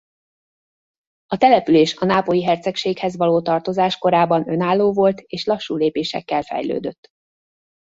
A település a Nápolyi Hercegséghez való tartozás korában önálló volt és lassú lépésekkel fejlődött.